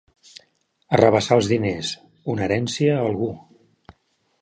Arrabassar els diners, una herència, a algú.